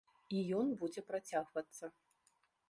І ён будзе працягвацца.